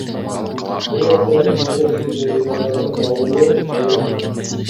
Бул окуя түйүнү сизди өзүнө тартып алдыбы, же?